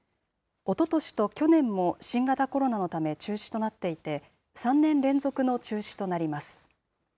おととしと去年も新型コロナのため中止となっていて、３年連続の中止となります。